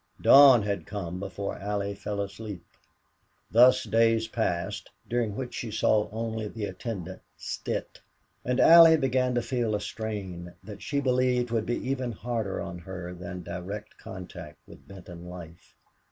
Dawn had come before Allie fell asleep. Thus days passed during which she saw only the attendant, Stitt, and Allie began to feel a strain that she believed would be even harder on her than direct contact with Benton life.